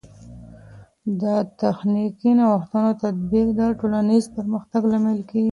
د تخنیکي نوښتونو تطبیق د ټولنیز پرمختګ لامل کیږي.